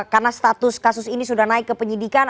karena status kasus ini sudah naik ke penyidikan